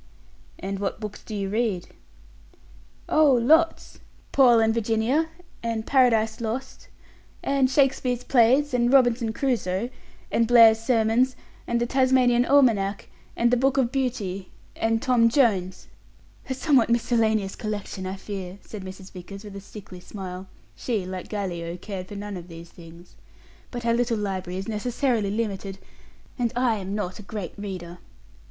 "And what books do you read?" "Oh, lots! 'Paul and Virginia', and 'Paradise Lost', and 'Shakespeare's Plays', and 'Robinson Crusoe', and 'Blair's Sermons', and 'The Tasmanian Almanack', and 'The Book of Beauty', and 'Tom Jones'." "A somewhat miscellaneous collection, I fear," said Mrs. Vickers, with a sickly smile she, like Gallio, cared for none of these things "but our little library is necessarily limited, and I am not a great reader.